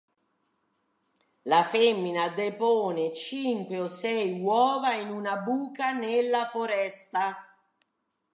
La femmina depone cinque o sei uova in una buca nella foresta.